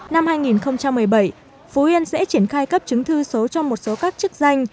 năm hai nghìn một mươi bảy phú yên sẽ triển khai cấp chứng thư số cho một số các chức danh